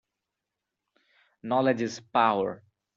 Knowledge is power